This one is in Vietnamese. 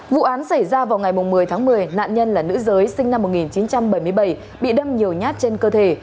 vụ án xảy ra vào ngày một mươi tháng một mươi nạn nhân là nữ giới sinh năm một nghìn chín trăm bảy mươi bảy bị đâm nhiều nhát trên cơ thể